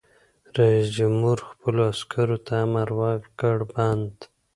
رئیس جمهور خپلو عسکرو ته امر وکړ؛ بند!